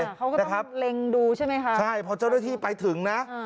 เขาก็นะครับเล็งดูใช่ไหมคะใช่พอเจ้าหน้าที่ไปถึงนะ